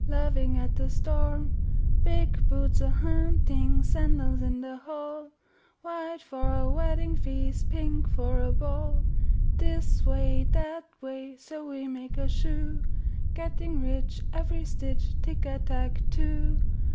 Laughing at the sto'rm! ry^ L V i, ?y \ 'Big boots a hunti'^ig, Sandals in the hall, White for a weddiug feast. Pink for a ball. This way, that way. So we make a shoe; Getting rich every stitch, Tick a tack too!